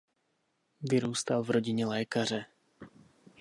Vyrůstal v rodině lékaře.